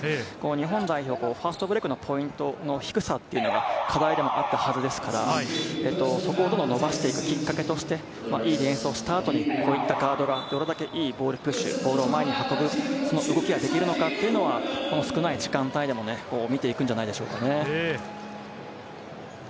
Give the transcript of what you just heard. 日本代表、ファストブレイクのポイントの低さというのが課題でもあったはずですから、そこをどんどん伸ばしていくきっかけとして良いディフェンスをした後にこういったガードがどれだけいいボールプッシュ、ボールを前に運ぶ、その動きができるのかが少ない時間帯でも見ていくんじゃないでしょうか。